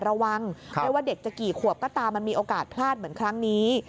ระวังไม่ว่าเด็กจะกี่ขวบก็ตามมันมีโอกาสพลาดเหมือนครั้งนี้